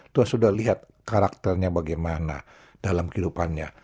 tuhan sudah lihat karakternya bagaimana dalam kehidupannya